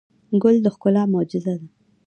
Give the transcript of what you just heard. ګل د ښکلا معجزه ده.